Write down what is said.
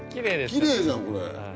きれいじゃんこれ。